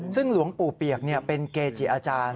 ซึ่งหลวงปู่เปียกเป็นเกจิอาจารย์